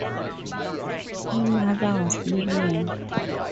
Her mother was Lillian.